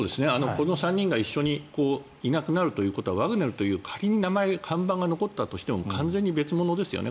この３人が一緒にいなくなるということはワグネルという仮に名前、看板が残ったとしても完全に別物ですよね。